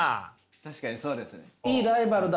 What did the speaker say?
確かにそうです。